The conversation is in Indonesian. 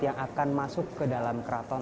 yang akan masuk ke dalam keraton